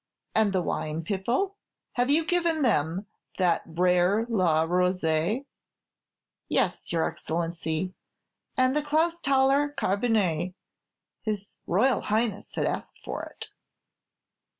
"And the wine, Pipo? have you given them that rare 'La Rose'?" "Yes, your Excellency, and the 'Klausthaller cabinet;' his Royal Highness asked for it."